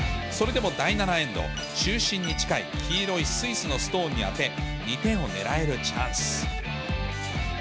それでも第７エンド、中心に近い黄色いスイスのストーンに当て、２点をねらえるチャンス。